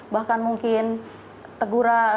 bahkan mungkin teguran